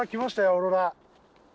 オーロラ！